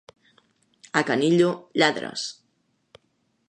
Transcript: A Canillo, lladres.